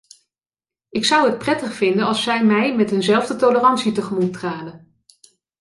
Ik zou het prettig vinden als zij mij met eenzelfde tolerantie tegemoet traden.